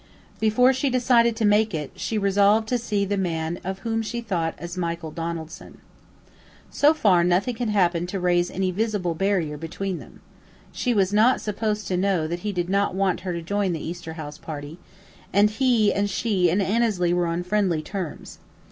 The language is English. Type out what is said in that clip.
Before she decided to make it, she resolved to see the man of whom she thought as Michael Donaldson. So far nothing had happened to raise any visible barrier between them. She was not supposed to know that he did not want her to join the Easter house party, and he and she and Annesley were on friendly terms.